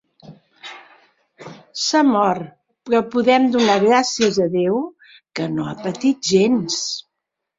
S'ha mort, però podem donar gràcies a Déu, que no ha patit gens.